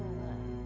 mas masuk yuk